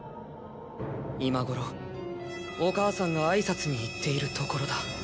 今ごろお母さんがあいさつに行っているところだ。